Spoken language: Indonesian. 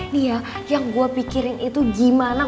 nih ya yang gue pikirin itu gimana